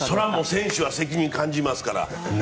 選手は責任を感じますから。